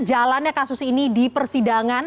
jalannya kasus ini di persidangan